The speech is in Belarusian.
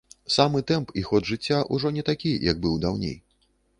Самы тэмп і ход жыцця ўжо не такі, які быў даўней.